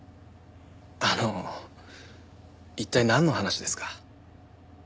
あの一体なんの話ですか？